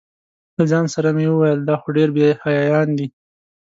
له ځان سره مې ویل دا خو ډېر بې حیایان دي.